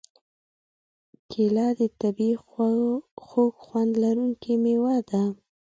کېله د طبعیي خوږ خوند لرونکې مېوه ده.